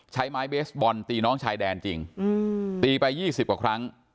ใช้ไม้เบสบอลตีน้องชายแดนจริงตีไป๒๐กว่าครั้ง